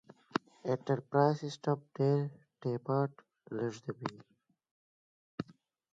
دا انټرپرایز سیسټم ډېره ډیټا لېږدوي.